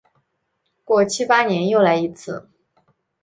过七八年又来一次。